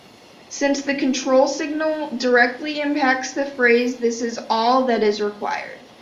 Since the control signal directly impacts the phase this is all that is required.